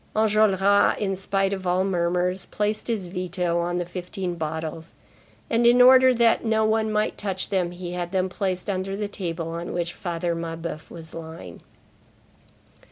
—Enjolras, in spite of all murmurs, placed his veto on the fifteen bottles, and, in order that no one might touch them, he had them placed under the table on which Father Mabeuf was lying.